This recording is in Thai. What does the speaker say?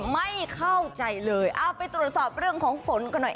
ไม่เข้าใจเลยเอาไปตรวจสอบเรื่องของฝนกันหน่อย